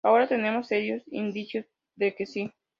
Ahora tenemos serios indicios de que sí.